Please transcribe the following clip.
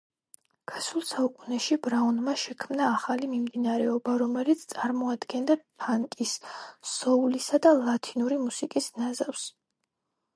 გასულ საუკუნეში ბრაუნმა შექმნა ახალი მიმდინარეობა, რომელიც წარმოადგენდა ფანკის, სოულისა და ლათინური მუსიკის ნაზავს.